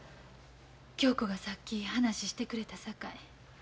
恭子がさっき話してくれたさかい。